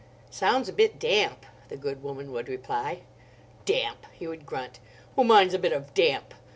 "Sounds a bit damp," the good woman would reply. "Damp!" he would grunt, "who minds a bit of damp!